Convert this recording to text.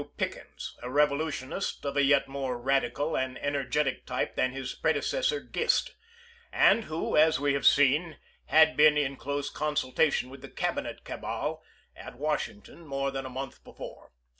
Pickens, a revolutionist of a yet more radical and energetic type than his predecessor Grist, and who, as we have seen, had been in close con sultation with the Cabinet cabal at Washington, more than a month before.